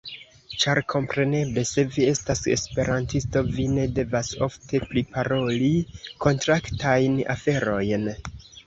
Ĉar kompreneble, se vi estas Esperantisto, vi ne devas ofte priparoli kontraktajn aferojn.